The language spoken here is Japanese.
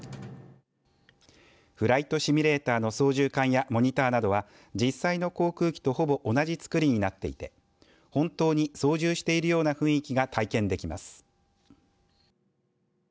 フライトシミュレーターの操縦かんやモニターなどは、実際の航空機とほぼ同じ作りになっていて本当に操縦しているような雰囲気が体験できます。